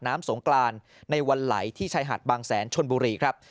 น้ำสงกรานในวันไหลที่ชายหาดบางแสนชนบุรีครับ